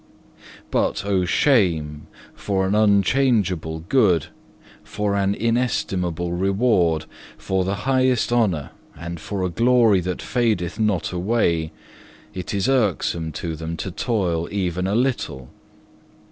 4. "But, O shame! for an unchangeable good, for an inestimable reward, for the highest honour and for a glory that fadeth not away, it is irksome to them to toil even a little.